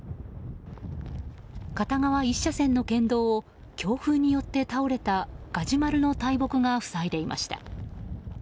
片側１車線の県道を強風によって倒れたガジュマルの大木が塞いでいました。